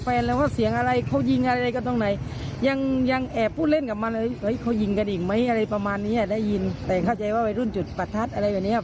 ตอนนี้ยังสอบปากคำไม่ได้นะครับ